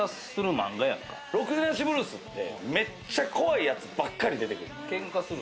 『ろくでなしＢＬＵＥＳ』ってめっちゃ怖いやつばっかり出てくる。